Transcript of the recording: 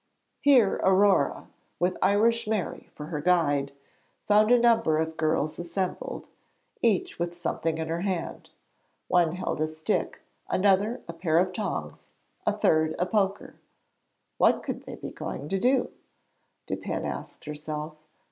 Here Aurore, with Irish Mary for her guide, found a number of girls assembled, each with something in her hand. One held a stick, another a pair of tongs, a third a poker. What could they be going to do? 'Dupin' asked herself.